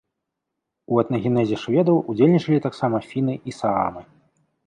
У этнагенезе шведаў удзельнічалі таксама фіны і саамы.